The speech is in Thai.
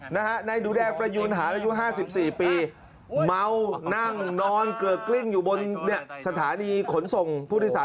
เมานั่งนอนเกลือกลิ้งอยู่บนสถานีขนส่งพุทธศาสตร์